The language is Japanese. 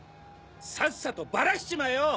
さっさとバラしちまえよ！